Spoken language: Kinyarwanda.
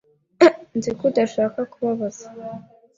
Nzi ko udashaka kubabaza .